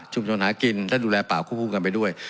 ชนหากินและดูแลป่าควบคู่กันไปด้วย